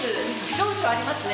情緒ありますね。